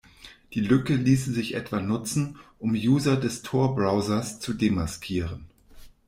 Die Lücke ließe sich etwa nutzen, um User des Tor-Browsers zu demaskieren.